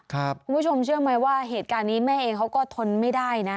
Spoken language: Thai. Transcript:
คุณผู้ชมเชื่อไหมว่าเหตุการณ์นี้แม่เองเขาก็ทนไม่ได้นะ